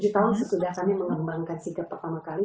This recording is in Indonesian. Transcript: tujuh tahun sesudah kami mengembangkan sikat pertama kali